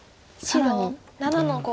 白７の五。